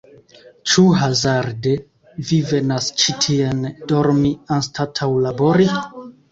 Ĉu hazarde Vi venas ĉi tien dormi anstataŭ labori?